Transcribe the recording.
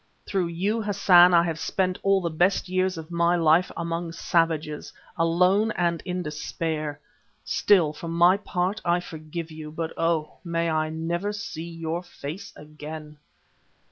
Through you, Hassan, I have spent all the best years of my life among savages, alone and in despair. Still, for my part, I forgive you, but oh! may I never see your face again."